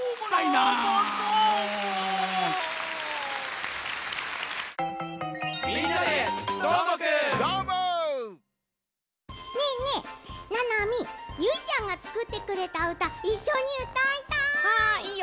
ななみゆいちゃんがつくってくれたうたいっしょにうたいたい！